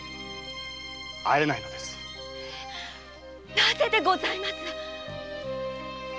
なぜでございますか。